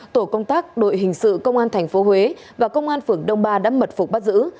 tổ công tác đội hình sự công an tp huế và công an phường đông ba đã mật phục bắt giữ